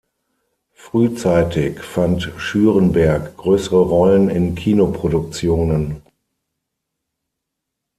Frühzeitig fand Schürenberg größere Rollen in Kinoproduktionen.